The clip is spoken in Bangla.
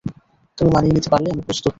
তুমি মানিয়ে নিতে পারলে আমি প্রস্তুত।